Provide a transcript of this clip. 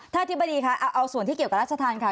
ถ้าที่บดีค่ะเอาส่วนที่เกี่ยวกับราชทันค่ะ